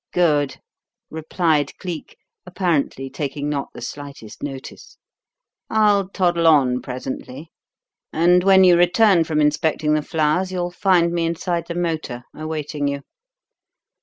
"Good," replied Cleek, apparently taking not the slightest notice. "I'll toddle on presently, and when you return from inspecting the flowers you will find me inside the motor awaiting you."